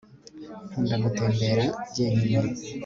nkunda gutembera jyenyine